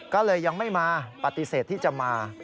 ก็เลยยังไม่มาปฏิเสธที่จะมา